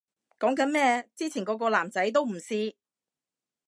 講經咩，之前個個男仔都唔試